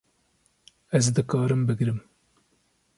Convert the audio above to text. Ez dikarim bigirim